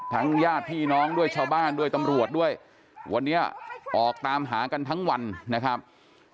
ญาติพี่น้องด้วยชาวบ้านด้วยตำรวจด้วยวันนี้ออกตามหากันทั้งวันนะครับ